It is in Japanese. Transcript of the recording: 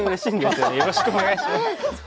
よろしくお願いします。